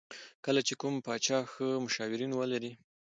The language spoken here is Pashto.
کله چې کوم پاچا ښه مشاورین ولري.